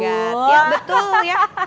iya betul ya